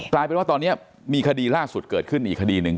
กลายเป็นว่าตอนนี้มีคดีล่าสุดเกิดขึ้นอีกคดีหนึ่ง